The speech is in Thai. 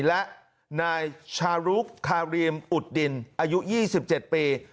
และนายชารุคคารีมอุดดินอายุยี่สิบเจ็ดปี